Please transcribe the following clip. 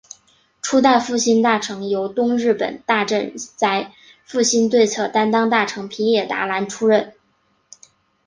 初代复兴大臣由东日本大震灾复兴对策担当大臣平野达男出任。